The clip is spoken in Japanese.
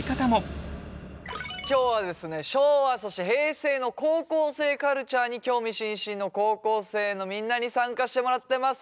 今日はですね昭和そして平成の高校生カルチャーに興味津々の高校生のみんなに参加してもらってます。